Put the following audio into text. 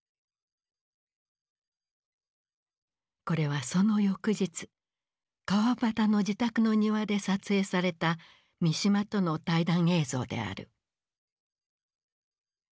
これはその翌日川端の自宅の庭で撮影された三島との対談映像である。